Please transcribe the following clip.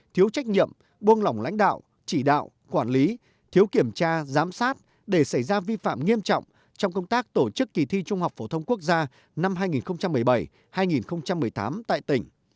thiếu trách nhiệm buông lỏng lãnh đạo chỉ đạo quản lý thiếu kiểm tra giám sát để xảy ra vi phạm nghiêm trọng trong công tác tổ chức kỳ thi trung học phổ thông quốc gia năm hai nghìn một mươi bảy hai nghìn một mươi tám tại tỉnh